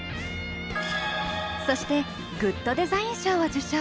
そしてグッドデザイン賞を受賞。